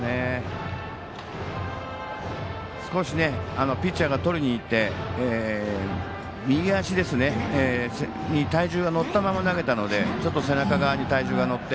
少しピッチャーがとりにいって右足に体重が乗ったまま投げたのでちょっと背中側に体重が乗って。